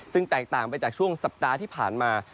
ซึ่งแตกต่างไปจากช่วงสัปดาห์ที่ผ่านมา